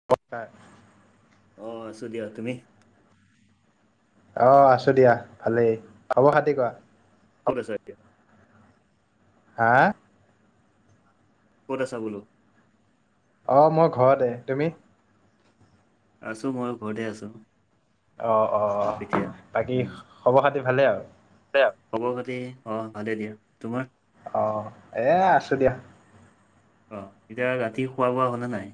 [unintelligible] অ আছো দিয়া, তুমি? অ আছো দিয়া ভালেই, খবৰ খাতি কোৱা? [unintelligible] হা! ক'ত আছা বোলো। অ মই ঘৰতে, তুমি? আছো মই ঘৰতে আছো। অ অ অ এতিয়া বাকী উম খবৰ খাতি ভালে আৰু? খবৰ খাতি অ ভালেই দিয়া, তোমাৰ? অ এ আছো দিয়া। অ এতিয়া ৰাতি খোৱা-বোৱা হলনে নাই?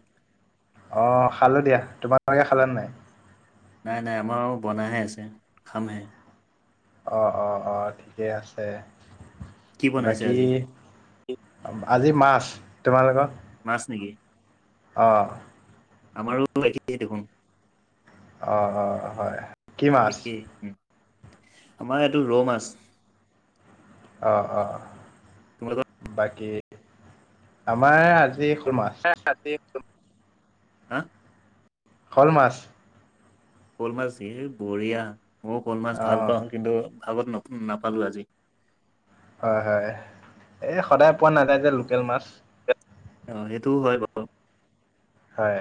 অ খালো দিয়া তোমালোকে খালা নাই? নাই নাই আমাৰু বনাইহে আছে, খামহে। অ অ অ ঠিকেই আছে, কি বনাইছে বাকী আজি আজি মাছ, তোমালোকৰ? মাছ নিকি? অ। আমাৰোতো একেই দেখোন। অ অ হয়। কি মাছ একেই উম আমাৰ ইটো ৰৌ মাছ। অ অ তোমালোকৰ বাকী আমাৰ আজি শ'ল মাছ। [unintelligible] হা শ'ল মাছ। শ'ল মাছ এ বঢ়িয়া। মইও শ'ল মাছ অ ভাল পাওঁ কিন্তু ভাগত নাপ নাপালো আজি। হয় হয় এই সদায় পোৱা নাযাই যে লোকেল মাছ। অ সেইটোও হয় বাৰু। হয়।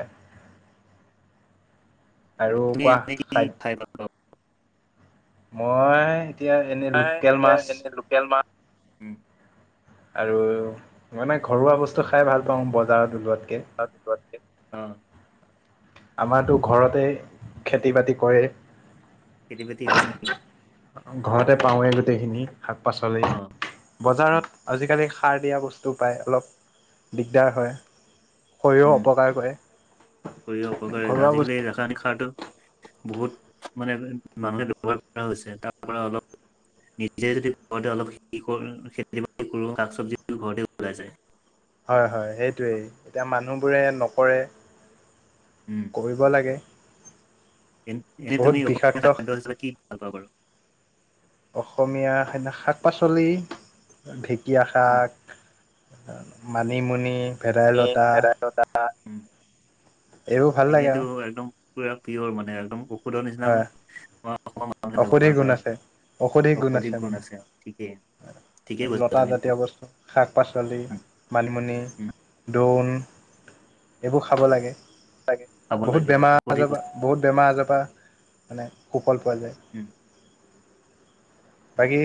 আৰু তুমি কোৱা এনে কি খাদ্য খাই ভাল পোৱা? মই এতিয়া এনে নাই লোক্কেল এতিয়া মাছ এনে লোকেল মা, উম। আৰু মানে ঘৰুৱা বস্তু খাই ভাল পাওঁ বজাৰত ওলোৱাতকে। [unintelligible] অ। আমাৰতো ঘৰতে খেতি-বাতি কৰে। খেতি-বাতি হৈছে [unintelligible] ঘৰতে পাওঁৱেই গোটেইখিনি শাক-পাচলি। অ', উম, বজাৰত আজিকালি সাৰ দিয়া বস্তু পায় অলপ দিগদাৰ হয়। শৰীৰো উম, অপকাৰ কৰে কৰিব অপকাৰে ঘৰুৱা আজিকালি এ বস্তু ৰাসায়নিক সাৰটো বহুত মানে মানুহে ব্যৱহাৰ কৰা হৈছে তাৰ পৰা অলপ নিজে যদি ঘৰতে অলপ কৰো খেতি-বাতি কৰোঁ [unintelligible] চব্জি [inaudible] ঘৰতে ওলাই যায়। হয়, হয় সেইটোৱেই এতিয়া মানুহবোৰে নকৰে। উম, কৰিব লাগে। এন-এনেই বহুত তুমি অসমীয়া বিষাক্ত [unintelligible] হিচাপে কি ভাল পোৱা বাৰু? অসমীয়া খানা শাক-পাচলি ঢেঁকীয়া উম। শাক মানিমুনি ভেদাইলতা [unintelligible] উম, এইবোৰ ভাল লাগে এইখিনিতো আৰু একদম পুৰা পিয়ৰ মানে একদম ঔষধৰ নিচিনা হয় মানে আমাৰ অসমৰ মানুহে ঔষধি ব্যৱহাৰ গুণ কৰা হয়। আছে ঔষধি গুণ আছে মানে ঠিকেই কৈছা লতা তুমি। জাতীয় বস্তু। শাক-পাচলি, উম, মানিমুনি, উম, দোন এইবোৰ খাব লাগে লাগে। খাব বহুত লাগে অ বেমাৰ ঔষধি আজৰ পা, বহুত বেমাৰ আজৰ পা মানে সুফল পোৱা যায়। উম বাকী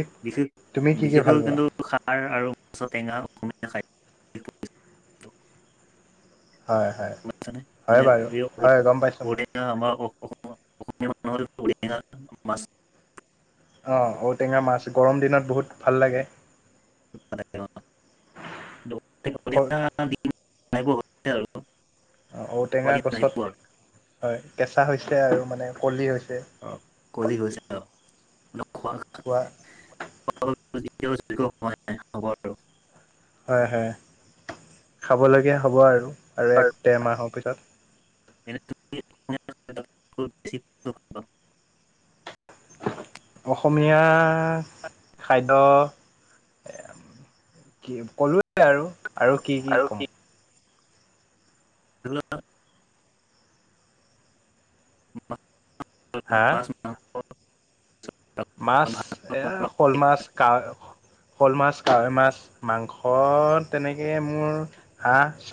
তুমি কি কি ভাল বিশেষ-বিশেষকৈ পোৱা কিন্তু খাৰ আৰু মাছৰ টেঙা অসমীয়া খাই। হয়, হয়, হয়, মানে বাৰু হয়, গম পাইছোঁ ম [unintelligible] অ' ঔ-টেঙা মাছ গৰম দিনত বহুত ভাল লাগে। [unintelligible] অ' ঔ-টেঙা গছত হয় কেঁচা হৈছে আৰু মানে কলি হৈছে। অ' কলি হৈছে [unintelligible] ন খোৱা কোৱা [unintelligible] [unintelligible] খবৰ হয়, হয় খাব লাগে হ'ব আৰু, আৰু এক ডেৰ মাহৰ পিছত। [inaudible] অসমীয়া খাদ্য কি ক'লোৱেই আৰু, আৰু কি, কি ক'ম? [unintelligible] [unintelligible] হা মাছ, মাংস। মাছ এয়া শ'ল মাছ কা শ'ল মাছ, কাৱৈ মাছ, মাংস তেনেকেই মোৰ খাচ